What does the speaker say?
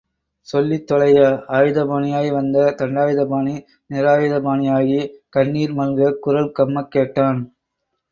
சொல்லி தொலய்யா... ஆயுதபாணியாய் வந்த தண்டாயுதபாணி நிராயுதபாணியாகி கண்ணிர் மல்கக் குரல் கம்மக் கேட்டான்.